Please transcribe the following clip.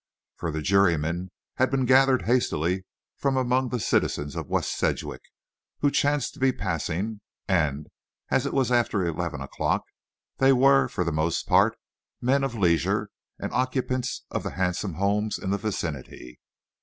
For the jurymen had been gathered hastily from among the citizens of West Sedgwick who chanced to be passing; and as it was after eleven o'clock, they were, for the most part, men of leisure, and occupants of the handsome homes in the vicinity.